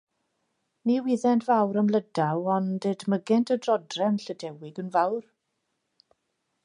Ni wyddent fawr am Lydaw, ond edmygent y dodrefn Llydewig yn fawr.